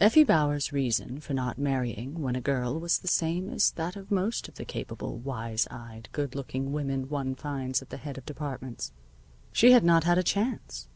Effie Bauer's reason for not marrying when a girl was the same as that of most of the capable, wise eyed, good looking women one finds at the head of departments. She had not had a chance.